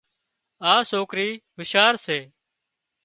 آ سوڪري هوشيار سي